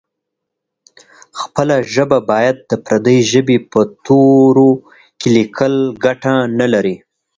خپله ژبه باید د پردۍ ژبې په تورو کې لیکل ګټه نه لري.